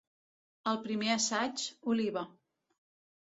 Al primer assaig, oliva!